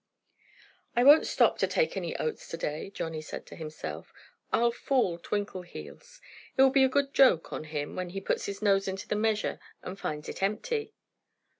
"I won't stop to take any oats to day," Johnnie said to himself. "I'll fool Twinkleheels. It will be a good joke on him when he puts his nose into the measure and finds it empty."